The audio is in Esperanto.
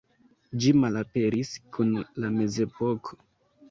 Ĝi malaperis kun la mezepoko.